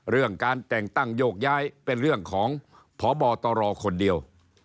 เรื่องการแต่งตั้งโยกย้ายเป็นเรื่องของพบตรคนเดียว